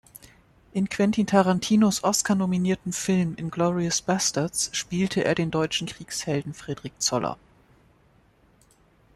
In Quentin Tarantinos Oscar-nominiertem Film "Inglourious Basterds" spielte er den deutschen Kriegshelden Fredrick Zoller.